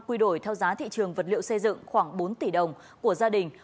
quy đổi theo giá thị trường vật liệu xây dựng khoảng bốn tỷ đồng của gia đình